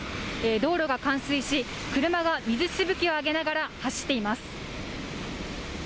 道路が冠水し、車が水しぶきを上げながら走っています。